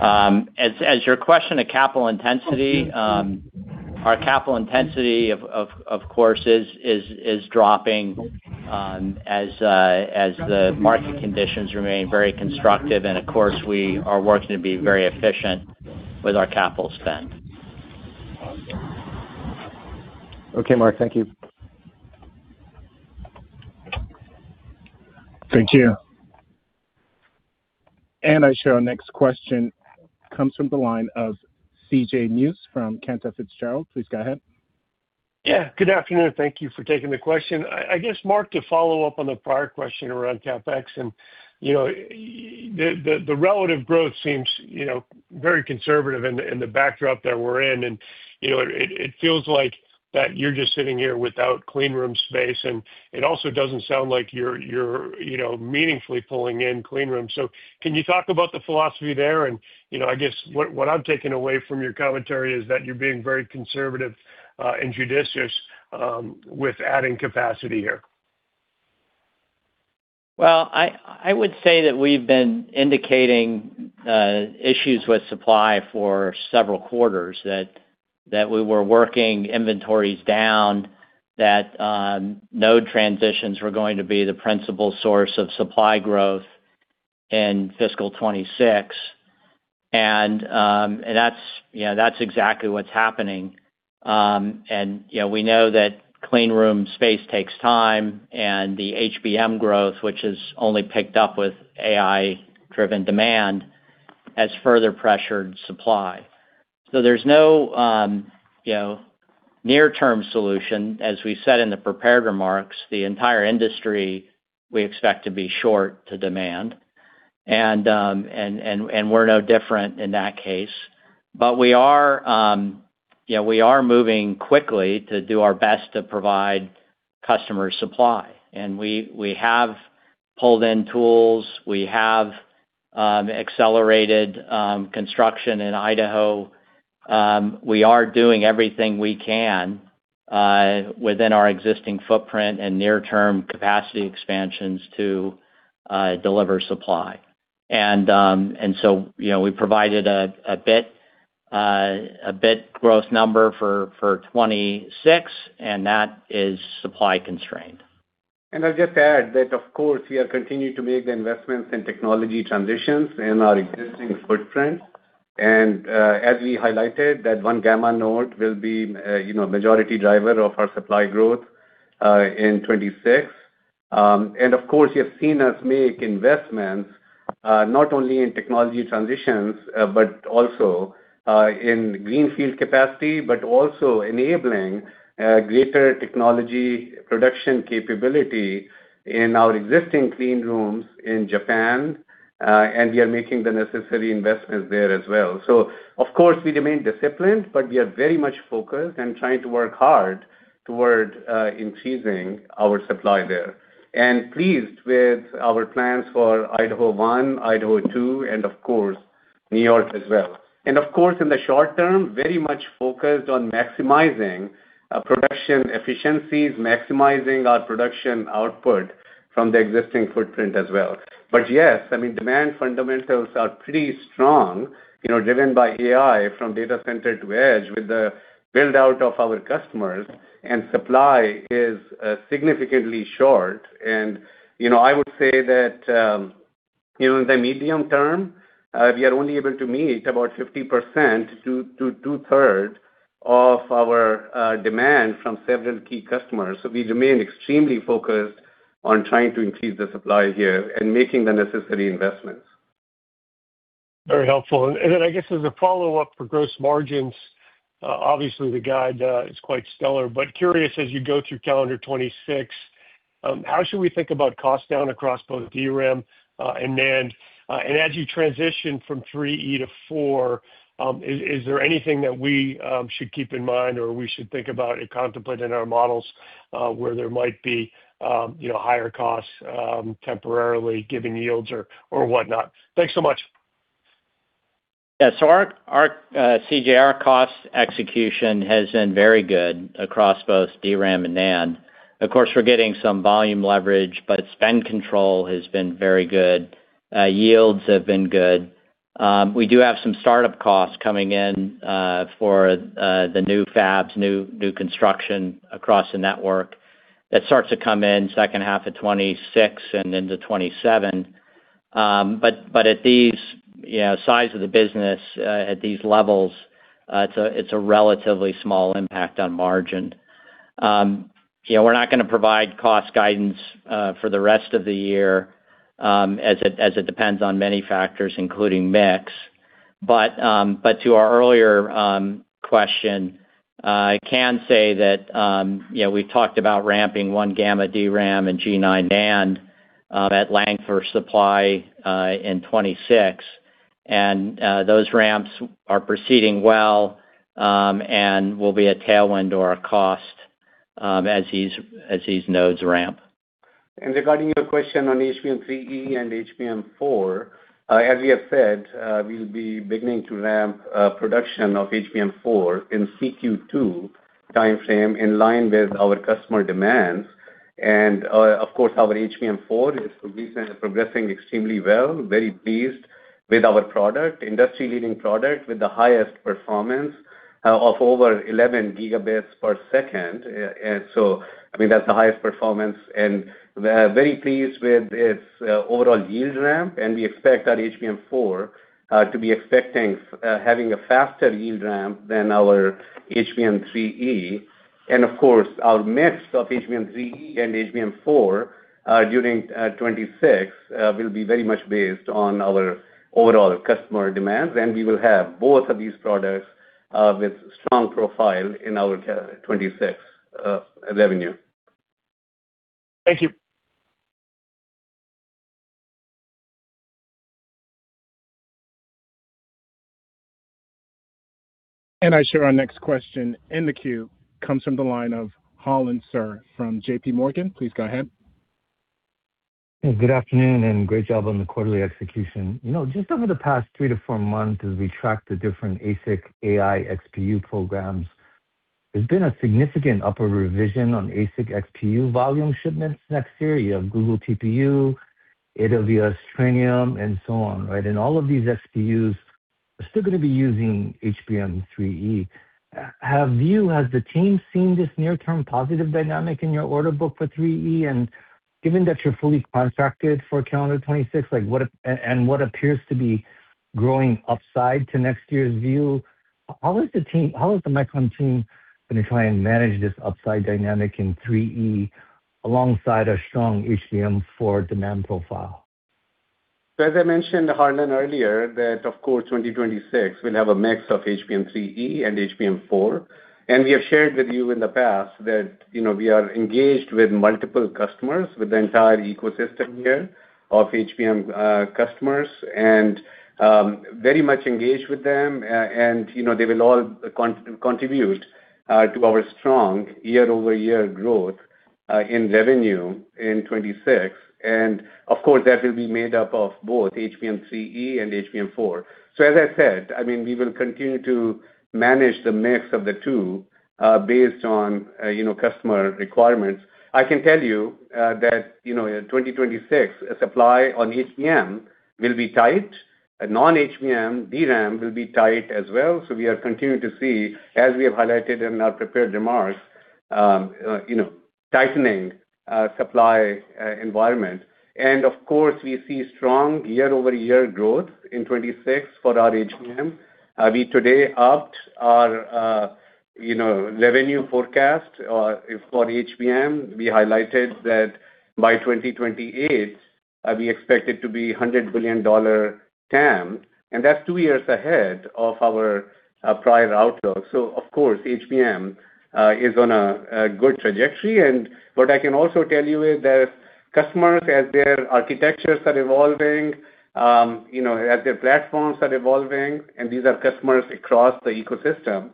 S4: As to your question of capital intensity, our capital intensity, of course, is dropping as the market conditions remain very constructive. And of course, we are working to be very efficient with our capital spend.
S5: Okay, Mark. Thank you.
S4: Thank you.
S1: I show our next question comes from the line of CJ Muse from Cantor Fitzgerald. Please go ahead.
S6: Yeah. Good afternoon. Thank you for taking the question. I guess, Mark, to follow up on the prior question around CapEx, the relative growth seems very conservative in the backdrop that we're in. And it feels like that you're just sitting here without cleanroom space. And it also doesn't sound like you're meaningfully pulling in cleanrooms. So can you talk about the philosophy there? And I guess what I'm taking away from your commentary is that you're being very conservative and judicious with adding capacity here.
S4: Well, I would say that we've been indicating issues with supply for several quarters, that we were working inventories down, that node transitions were going to be the principal source of supply growth in fiscal 2026. And that's exactly what's happening. We know that cleanroom space takes time, and the HBM growth, which has only picked up with AI-driven demand, has further pressured supply. So there's no near-term solution. As we said in the prepared remarks, the entire industry, we expect to be short to demand. And we're no different in that case. But we are moving quickly to do our best to provide customer supply. And we have pulled in tools. We have accelerated construction in Idaho. We are doing everything we can within our existing footprint and near-term capacity expansions to deliver supply. And so we provided a bit growth number for 2026, and that is supply constrained.
S3: And I'll just add that, of course, we are continuing to make the investments in technology transitions in our existing footprint. And as we highlighted, that 1-gamma node will be a majority driver of our supply growth in 2026. Of course, you have seen us make investments not only in technology transitions, but also in greenfield capacity, but also enabling greater technology production capability in our existing cleanrooms in Japan. We are making the necessary investments there as well. Of course, we remain disciplined, but we are very much focused and trying to work hard toward increasing our supply there. We are pleased with our plans for Idaho 1, Idaho 2, and of course, New York as well. Of course, in the short term, we are very much focused on maximizing production efficiencies, maximizing our production output from the existing footprint as well. But yes, I mean, demand fundamentals are pretty strong, driven by AI from data center to edge with the build-out of our customers, and supply is significantly short. I would say that in the medium term, we are only able to meet about 50% to two-thirds of our demand from several key customers. We remain extremely focused on trying to increase the supply here and making the necessary investments.
S6: Very helpful. I guess as a follow-up for gross margins, obviously, the guide is quite stellar. But, curious, as you go through calendar 2026, how should we think about cost down across both DRAM and NAND? And as you transition from 3E to 4, is there anything that we should keep in mind or we should think about in contemplating our models where there might be higher costs temporarily giving yields or whatnot? Thanks so much.
S4: Yeah. CJ, our cost execution has been very good across both DRAM and NAND. Of course, we're getting some volume leverage, but spend control has been very good. Yields have been good. We do have some startup costs coming in for the new fabs, new construction across the network that starts to come in second half of 2026 and into 2027. But at these sizes of the business, at these levels, it's a relatively small impact on margin. We're not going to provide cost guidance for the rest of the year as it depends on many factors, including mix. But to our earlier question, I can say that we've talked about ramping one gamma DRAM and G9 NAND at length for supply in 2026. And those ramps are proceeding well and will be a tailwind or a cost as these nodes ramp. And regarding your question on HBM3E and HBM4, as we have said, we'll be beginning to ramp production of HBM4 in Q2 timeframe in line with our customer demands. And of course, our HBM4 is progressing extremely well. Very pleased with our product, industry-leading product with the highest performance of over 11 gigabits per second. And so I mean, that's the highest performance. And very pleased with its overall yield ramp. And we expect our HBM4 to be having a faster yield ramp than our HBM3E. And of course, our mix of HBM3E and HBM4 during 2026 will be very much based on our overall customer demands. And we will have both of these products with strong profile in our 2026 revenue.
S6: Thank you.
S1: And I'll show our next question in the queue comes from the line of Harlan Sur from J.P. Morgan. Please go ahead. Good afternoon and great job on the quarterly execution.
S7: Just over the past three to four months, as we track the different ASIC AI XPU programs, there's been a significant upper revision on ASIC XPU volume shipments next year. You have Google TPU, AWS Trainium, and so on, right? And all of these XPUs are still going to be using HBM3E. Have you, as the team, seen this near-term positive dynamic in your order book for 3E? And given that you're fully contracted for calendar 2026 and what appears to be growing upside to next year's view, how has the Micron team been trying to manage this upside dynamic in 3E alongside a strong HBM4 demand profile?
S3: So as I mentioned to Harlan earlier that, of course, 2026 will have a mix of HBM3E and HBM4. And we have shared with you in the past that we are engaged with multiple customers, with the entire ecosystem here of HBM customers, and very much engaged with them. And they will all contribute to our strong year-over-year growth in revenue in 2026. And of course, that will be made up of both HBM3E and HBM4. So as I said, I mean, we will continue to manage the mix of the two based on customer requirements. I can tell you that in 2026, supply on HBM will be tight. Non-HBM DRAM will be tight as well. So we are continuing to see, as we have highlighted in our prepared remarks, tightening supply environment. And of course, we see strong year-over-year growth in 2026 for our HBM. We today upped our revenue forecast for HBM. We highlighted that by 2028, we expect it to be $100 billion TAM. That's two years ahead of our prior outlook. Of course, HBM is on a good trajectory. What I can also tell you is that customers, as their architectures are evolving, as their platforms are evolving, and these are customers across the ecosystem,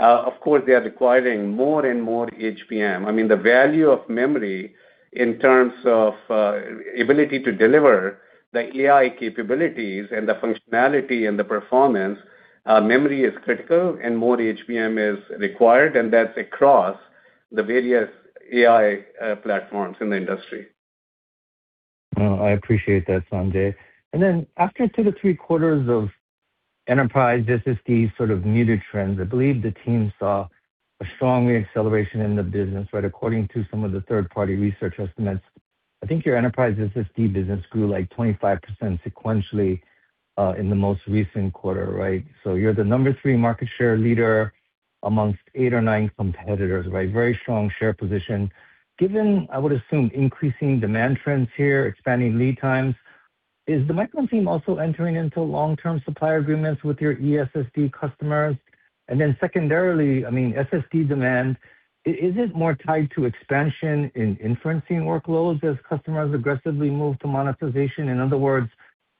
S3: of course, they are requiring more and more HBM. I mean, the value of memory in terms of ability to deliver the AI capabilities and the functionality and the performance, memory is critical, and more HBM is required. That's across the various AI platforms in the industry. I appreciate that, Sanjay. After two to three quarters of enterprise SSD sort of muted trends, I believe the team saw a strong acceleration in the business, right? According to some of the third-party research estimates, I think your enterprise SSD business grew like 25% sequentially in the most recent quarter, right? So you're the number three market share leader amongst eight or nine competitors, right? Very strong share position. Given, I would assume, increasing demand trends here, expanding lead times, is the Micron team also entering into long-term supply agreements with your ESSD customers? And then secondarily, I mean, SSD demand, is it more tied to expansion in inferencing workloads as customers aggressively move to monetization? In other words,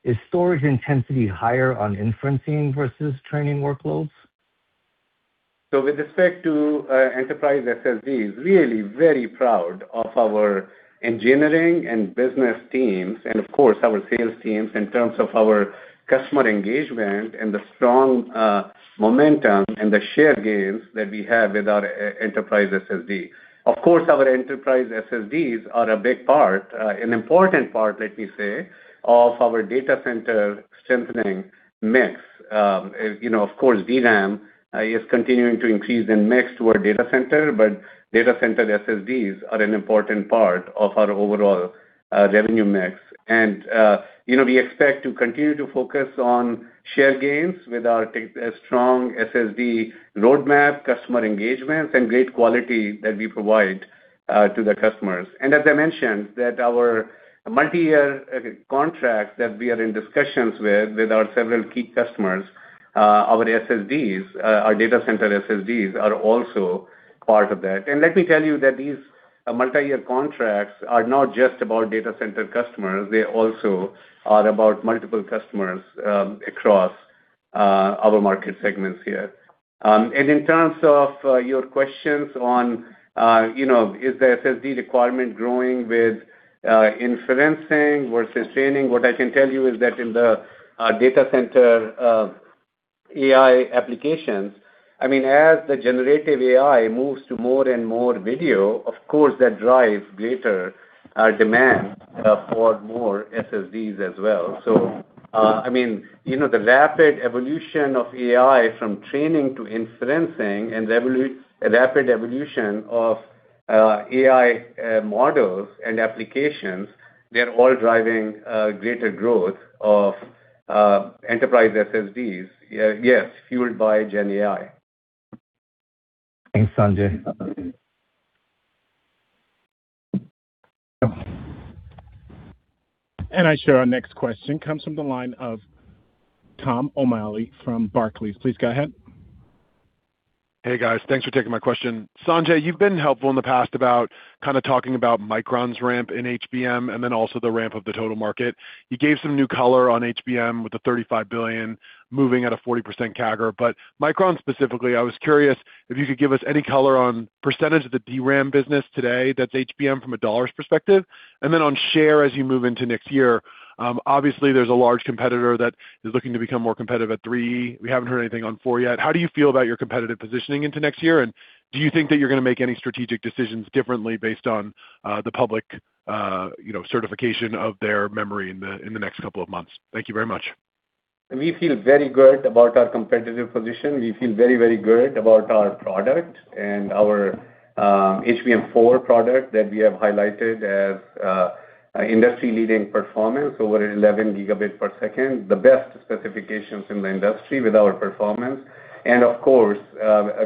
S3: is storage intensity higher on inferencing versus training workloads? So with respect to enterprise SSDs, really very proud of our engineering and business teams, and of course, our sales teams in terms of our customer engagement and the strong momentum and the share gains that we have with our enterprise SSD. Of course, our enterprise SSDs are a big part, an important part, let me say, of our data center strengthening mix. Of course, DRAM is continuing to increase in mix toward data center, but data center SSDs are an important part of our overall revenue mix. And we expect to continue to focus on share gains with our strong SSD roadmap, customer engagements, and great quality that we provide to the customers. And as I mentioned, that our multi-year contracts that we are in discussions with, with our several key customers, our SSDs, our data center SSDs are also part of that. And let me tell you that these multi-year contracts are not just about data center customers. They also are about multiple customers across our market segments here. And in terms of your questions on is the SSD requirement growing with inferencing versus training, what I can tell you is that in the data center AI applications, I mean, as the generative AI moves to more and more video, of course, that drives greater demand for more SSDs as well. So I mean, the rapid evolution of AI from training to inferencing and rapid evolution of AI models and applications, they're all driving greater growth of enterprise SSDs, yes, fueled by GenAI. Thanks, Sanjay.
S1: And now our next question comes from the line of Tom O'Malley from Barclays. Please go ahead.
S8: Hey, guys. Thanks for taking my question. Sanjay, you've been helpful in the past about kind of talking about Micron's ramp in HBM and then also the ramp of the total market. You gave some new color on HBM with the $35 billion moving at a 40% CAGR. But Micron specifically, I was curious if you could give us any color on percentage of the DRAM business today that's HBM from a dollar's perspective. And then on share as you move into next year, obviously, there's a large competitor that is looking to become more competitive at 3E. We haven't heard anything on 4 yet. How do you feel about your competitive positioning into next year? And do you think that you're going to make any strategic decisions differently based on the public certification of their memory in the next couple of months? Thank you very much.
S3: We feel very good about our competitive position. We feel very, very good about our product and our HBM4 product that we have highlighted as industry-leading performance over 11 gigabit per second, the best specifications in the industry with our performance. And of course,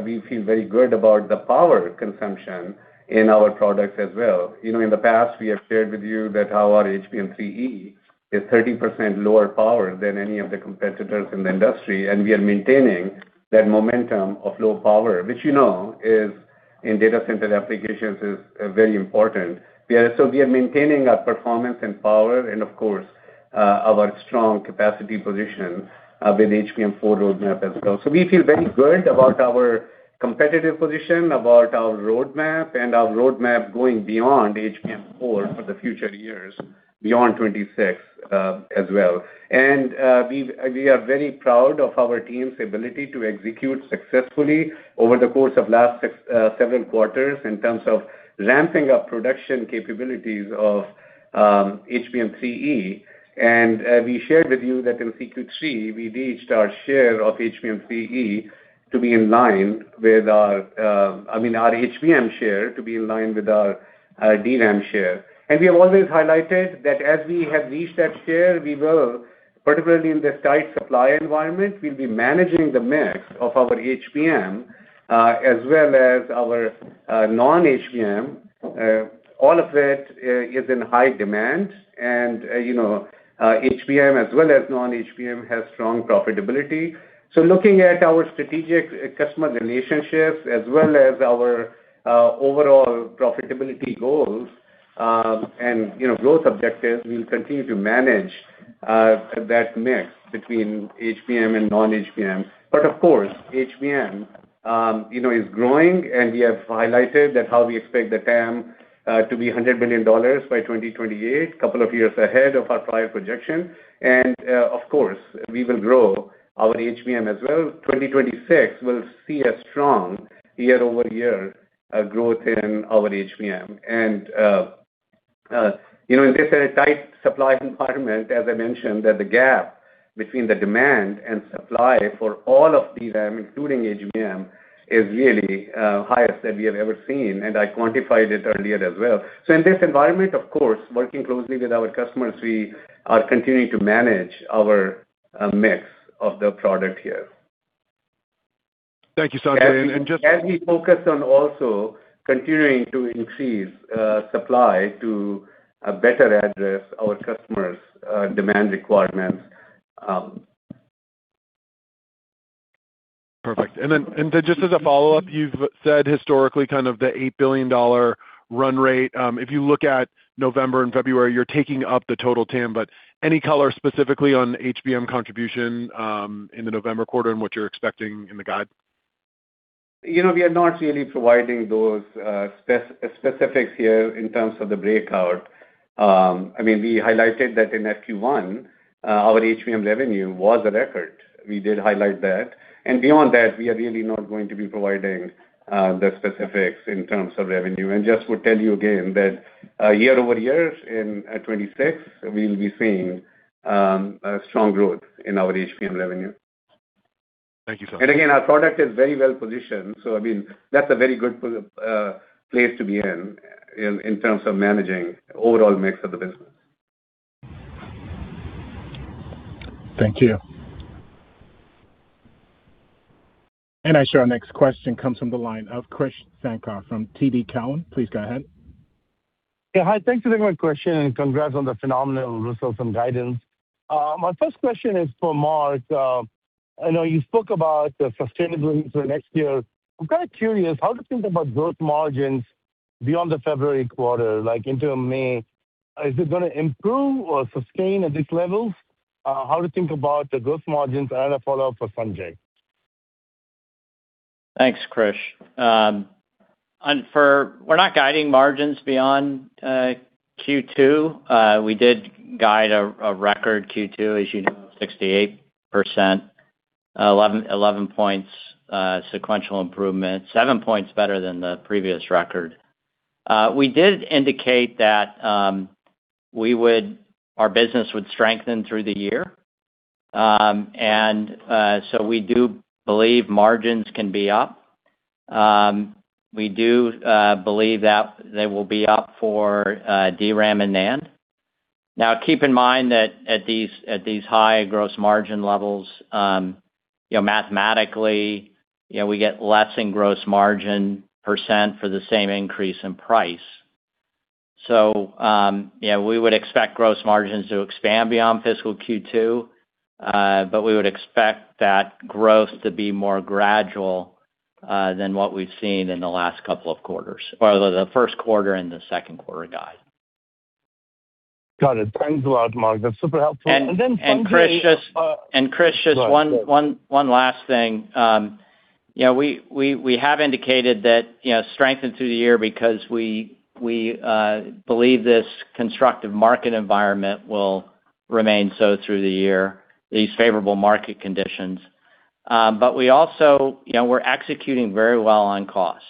S3: we feel very good about the power consumption in our products as well. In the past, we have shared with you about how our HBM3E is 30% lower power than any of the competitors in the industry. And we are maintaining that momentum of low power, which, in data center applications, is very important. So we are maintaining our performance and power and, of course, our strong capacity position with HBM4 roadmap as well. So we feel very good about our competitive position, about our roadmap, and our roadmap going beyond HBM4 for the future years, beyond 2026 as well. We are very proud of our team's ability to execute successfully over the course of last several quarters in terms of ramping up production capabilities of HBM3E. We shared with you that in Q3, we reached our share of HBM3E to be in line with our I mean, our HBM share to be in line with our DRAM share. We have always highlighted that as we have reached that share, we will, particularly in this tight supply environment, we'll be managing the mix of our HBM as well as our non-HBM. All of it is in high demand. HBM as well as non-HBM has strong profitability. Looking at our strategic customer relationships as well as our overall profitability goals and growth objectives, we'll continue to manage that mix between HBM and non-HBM. Of course, HBM is growing. We have highlighted how we expect the TAM to be $100 billion by 2028, a couple of years ahead of our prior projection. Of course, we will grow our HBM as well. 2026 will see a strong year-over-year growth in our HBM. In this tight supply environment, as I mentioned, the gap between the demand and supply for all of DRAM, including HBM, is really the highest that we have ever seen. I quantified it earlier as well. In this environment, of course, working closely with our customers, we are continuing to manage our mix of the product here.
S8: Thank you, Sanjay.
S3: Just as we focus on also continuing to increase supply to better address our customers' demand requirements.
S8: Perfect. Then just as a follow-up, you've said historically kind of the $8 billion run rate. If you look at November and February, you're taking up the total TAM. But any color specifically on HBM contribution in the November quarter and what you're expecting in the guide?
S3: We are not really providing those specifics here in terms of the breakout. I mean, we highlighted that in FQ1, our HBM revenue was a record. We did highlight that, and beyond that, we are really not going to be providing the specifics in terms of revenue. And just would tell you again that year-over-year in 2026, we'll be seeing strong growth in our HBM revenue.
S8: Thank you, Sanjay.
S3: And again, our product is very well positioned. So I mean, that's a very good place to be in in terms of managing overall mix of the business.
S8: Thank you.
S1: And our next question comes from the line of Krish Sankar from TD Cowen. Please go ahead. Yeah.
S9: Hi. Thanks for the good question, and congrats on the phenomenal results and guidance. My first question is for Mark. I know you spoke about the sustainability for next year. I'm kind of curious how to think about gross margins beyond the February quarter, like into May. Is it going to improve or sustain at these levels? How to think about the gross margins? And I'm going to follow up for Sanjay.
S4: Thanks, Krish. We're not guiding margins beyond Q2. We did guide a record Q2, as you know, 68%, 11 points sequential improvement, 7 points better than the previous record. We did indicate that our business would strengthen through the year, and so we do believe margins can be up. We do believe that they will be up for DRAM and NAND. Now, keep in mind that at these high gross margin levels, mathematically, we get less in gross margin % for the same increase in price. So we would expect gross margins to expand beyond fiscal Q2, but we would expect that growth to be more gradual than what we've seen in the last couple of quarters, or the first quarter and the second quarter guide.
S9: Got it. Thanks a lot, Mark. That's super helpful.
S4: And then finally, and Krish, just one last thing. We have indicated that strengthen through the year because we believe this constructive market environment will remain so through the year, these favorable market conditions. But we also were executing very well on cost.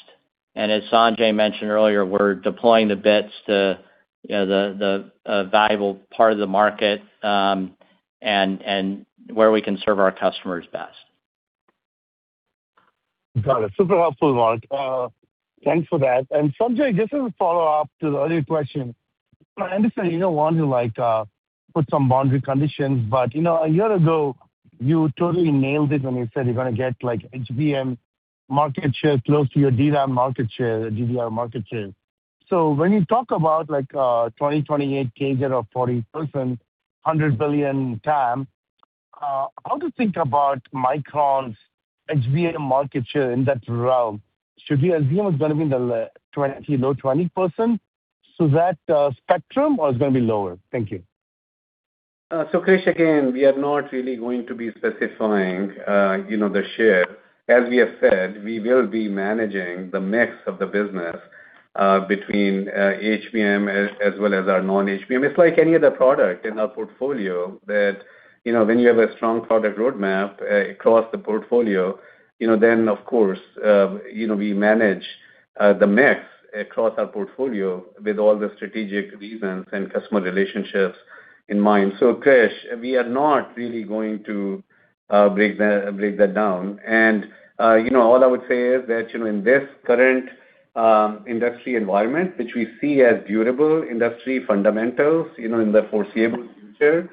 S4: And as Sanjay mentioned earlier, we're deploying the bits to the valuable part of the market and where we can serve our customers best.
S9: Got it. Super helpful, Mark. Thanks for that. Sanjay, just as a follow-up to the earlier question, I understand you don't want to put some boundary conditions, but a year ago, you totally nailed it when you said you're going to get HBM market share close to your DRAM market share, DRAM market share. So when you talk about 2028 CAGR of 40%, $100 billion TAM, how to think about Micron's HBM market share in that realm? Should you assume it's going to be in the low 20%, so that spectrum, or it's going to be lower? Thank you.
S3: Krish, again, we are not really going to be specifying the share. As we have said, we will be managing the mix of the business between HBM as well as our non-HBM. It's like any other product in our portfolio that when you have a strong product roadmap across the portfolio, then of course, we manage the mix across our portfolio with all the strategic reasons and customer relationships in mind. So Krish, we are not really going to break that down. And all I would say is that in this current industry environment, which we see as durable industry fundamentals in the foreseeable future,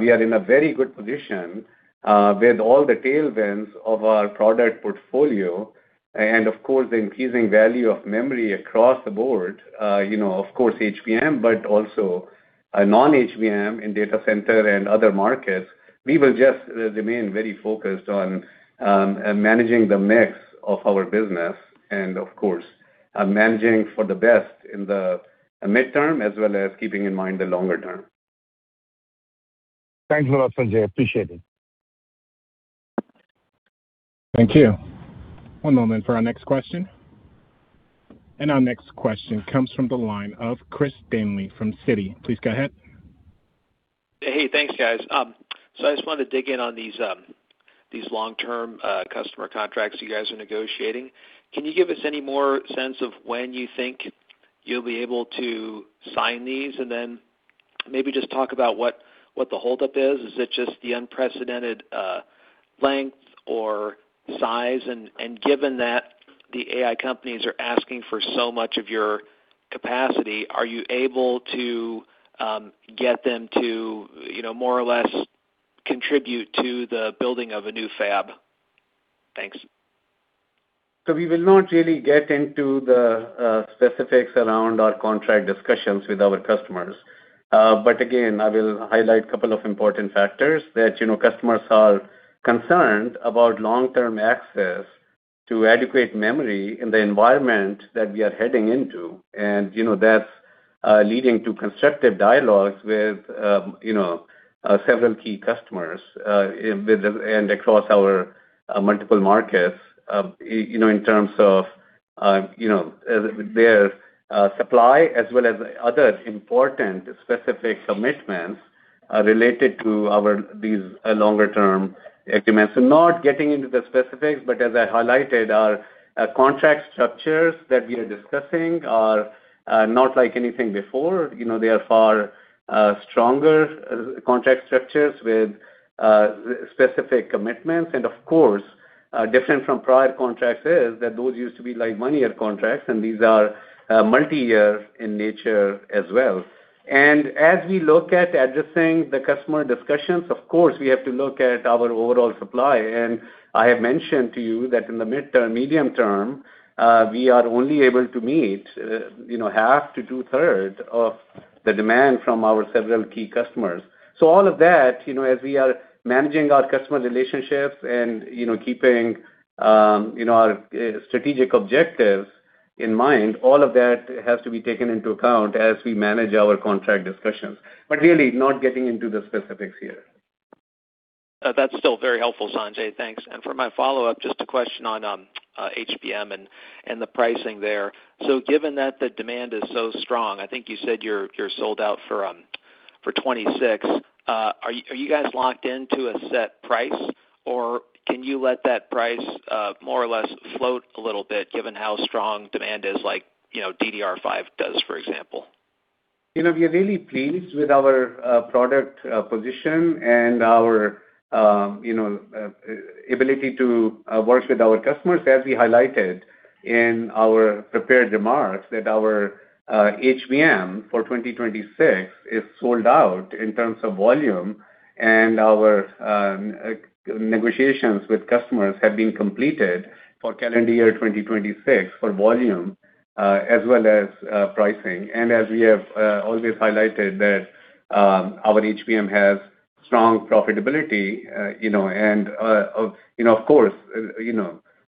S3: we are in a very good position with all the tailwinds of our product portfolio. And of course, the increasing value of memory across the board, of course, HBM, but also non-HBM in data center and other markets, we will just remain very focused on managing the mix of our business and, of course, managing for the best in the mid-term as well as keeping in mind the longer term.
S9: Thanks a lot, Sanjay. Appreciate it.
S1: Thank you. One moment for our next question. And our next question comes from the line of Chris Danely from Citi. Please go ahead.
S10: Hey, thanks, guys. So I just wanted to dig in on these long-term customer contracts you guys are negotiating. Can you give us any more sense of when you think you'll be able to sign these and then maybe just talk about what the holdup is? Is it just the unprecedented length or size? And given that the AI companies are asking for so much of your capacity, are you able to get them to more or less contribute to the building of a new fab? Thanks.
S3: So we will not really get into the specifics around our contract discussions with our customers. But again, I will highlight a couple of important factors that customers are concerned about long-term access to adequate memory in the environment that we are heading into. And that's leading to constructive dialogues with several key customers and across our multiple markets in terms of their supply as well as other important specific commitments related to these longer-term agreements. So not getting into the specifics, but as I highlighted, our contract structures that we are discussing are not like anything before. They are far stronger contract structures with specific commitments. And of course, different from prior contracts is that those used to be one-year contracts, and these are multi-year in nature as well. And as we look at addressing the customer discussions, of course, we have to look at our overall supply. And I have mentioned to you that in the midterm, medium term, we are only able to meet half to two-thirds of the demand from our several key customers. So all of that, as we are managing our customer relationships and keeping our strategic objectives in mind, all of that has to be taken into account as we manage our contract discussions. But really, not getting into the specifics here.
S10: That's still very helpful, Sanjay. Thanks. And for my follow-up, just a question on HBM and the pricing there. So given that the demand is so strong, I think you said you're sold out for 2026. Are you guys locked into a set price, or can you let that price more or less float a little bit given how strong demand is like DDR5 does, for example?
S3: We are really pleased with our product position and our ability to work with our customers, as we highlighted in our prepared remarks, that our HBM for 2026 is sold out in terms of volume, and our negotiations with customers have been completed for calendar year 2026 for volume as well as pricing, and as we have always highlighted that our HBM has strong profitability and, of course,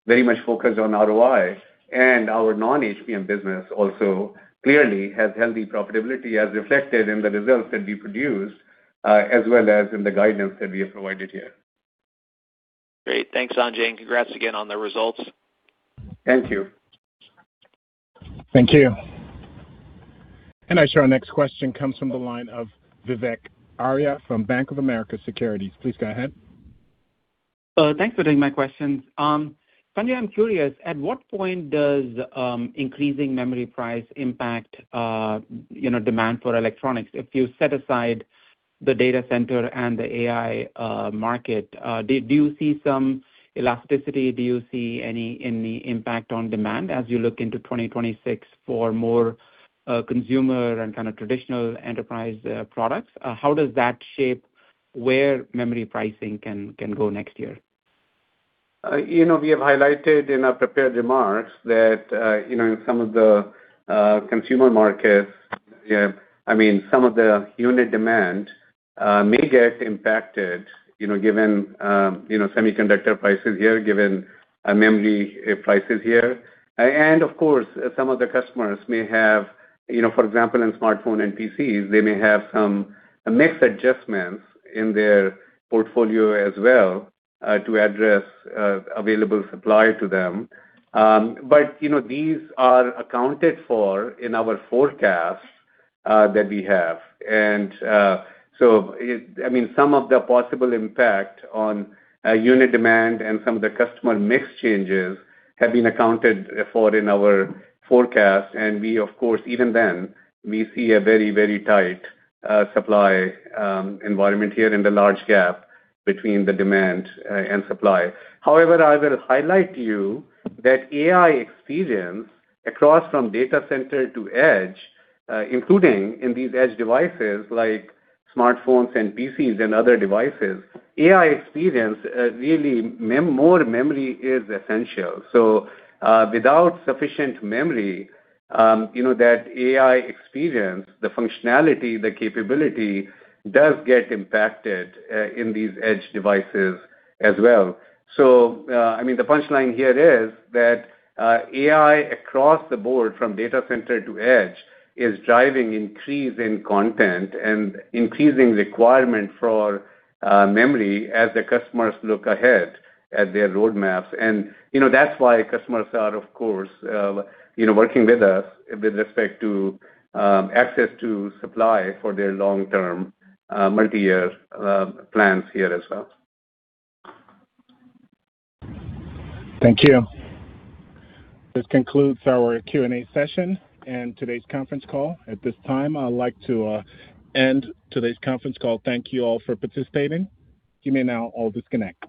S3: very much focused on ROI, and our non-HBM business also clearly has healthy profitability as reflected in the results that we produced as well as in the guidance that we have provided here.
S10: Great. Thanks, Sanjay, and congrats again on the results.
S3: Thank you.
S10: Thank you.
S1: Our next question comes from the line of Vivek Arya from Bank of America Securities. Please go ahead.
S11: Thanks for taking my questions. Sanjay, I'm curious, at what point does increasing memory price impact demand for electronics? If you set aside the data center and the AI market, do you see some elasticity? Do you see any impact on demand as you look into 2026 for more consumer and kind of traditional enterprise products? How does that shape where memory pricing can go next year?
S3: We have highlighted in our prepared remarks that in some of the consumer markets, I mean, some of the unit demand may get impacted given semiconductor prices here, given memory prices here. And of course, some of the customers may have, for example, in smartphones and PCs, they may have some mix adjustments in their portfolio as well to address available supply to them. But these are accounted for in our forecast that we have. And so, I mean, some of the possible impact on unit demand and some of the customer mix changes have been accounted for in our forecast. And we, of course, even then, we see a very, very tight supply environment here in the large gap between the demand and supply. However, I will highlight to you that AI experience across from data center to edge, including in these edge devices like smartphones and PCs and other devices, AI experience really more memory is essential. So without sufficient memory, that AI experience, the functionality, the capability does get impacted in these edge devices as well. So, I mean, the punchline here is that AI across the board from data center to edge is driving increase in content and increasing requirement for memory as the customers look ahead at their roadmaps. And that's why customers are, of course, working with us with respect to access to supply for their long-term multi-year plans here as well.
S11: Thank you.
S1: This concludes our Q&A session and today's conference call. At this time, I'd like to end today's conference call. Thank you all for participating. You may now all disconnect.